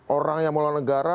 orang yang mengelola negara